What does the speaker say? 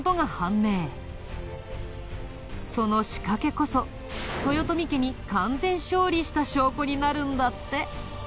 その仕掛けこそ豊臣家に完全勝利した証拠になるんだって。